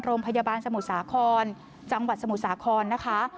โรงพยาบาลสมุทรสาครจังหวัดสมุทรสาครนะคะ